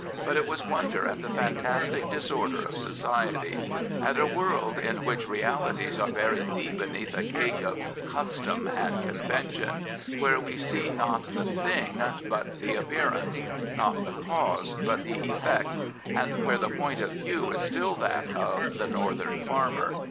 But it was wonder at the fantastic disorder of society, at a world in which realities are buried deep beneath a cake of custom and convention, where we see not the thing, but the appearance; not the cause, but the effect, and where the point of view is still that of the " Northern Farmer."